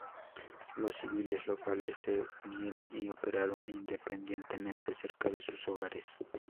Los civiles locales se unieron y operaron independientemente cerca de sus hogares.